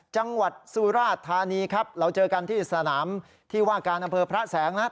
จังหวัดสุราธานีครับเราเจอกันที่สนามที่ว่าการอำเภอพระแสงนะครับ